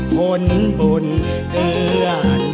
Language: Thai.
ผลบุญเหลือโน้น